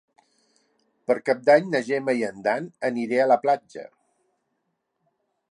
Per Cap d'Any na Gemma i en Dan aniré a la platja.